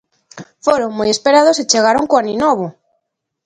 Foron moi esperados e chegaron co Aninovo.